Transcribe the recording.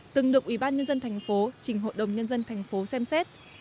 từng được ủy ban nhân dân thành phố trình hội đồng nhân dân thành phố xem xét